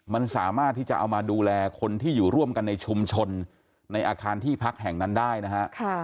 มันสามารถที่จะเอามาดูแลคนที่อยู่ร่วมกันในชุมชนในอาคารที่พักแห่งนั้นได้นะฮะ